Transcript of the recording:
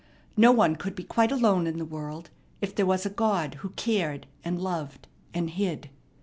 No one could be quite alone in the world if there was a God who cared and loved and hid.